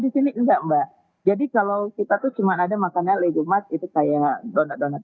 di sini enggak mbak jadi kalau kita tuh cuma ada makanan lagu mas itu kayak donat donat